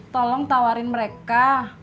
tolong tawarin mereka